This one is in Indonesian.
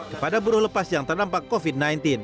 kepada buruh lepas yang terdampak covid sembilan belas